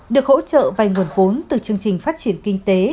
được hỗ trợ vay nguồn vốn từ chương trình phát triển kinh tế